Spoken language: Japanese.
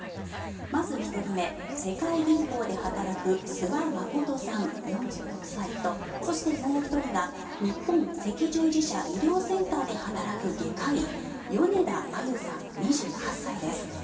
まず１人目、世界銀行で働く諏訪理さん、４６歳とそして、もう１人が日本赤十字社医療センターで働く外科医米田あゆさん、２８歳です。